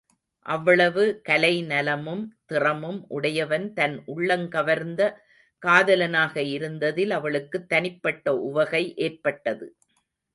அவ்வளவு கலைநலமும் திறமும் உடையவன் தன் உள்ளங்கவர்ந்த காதலனாக இருந்ததில் அவளுக்குத் தனிப்பட்ட உவகை ஏற்பட்டது.